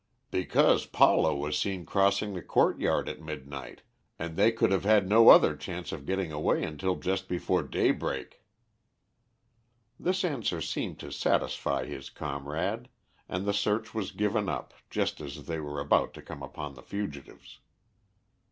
"Because Paulo was seen crossing the courtyard at midnight, and they could have had no other chance of getting away until just before daybreak." This answer seemed to satisfy his comrade, and the search was given up just as they were about to come upon the fugitives.